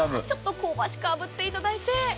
香ばしくあぶっていただいて。